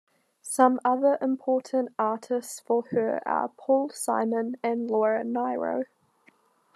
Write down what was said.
Some other important artists for her are Paul Simon and Laura Nyro.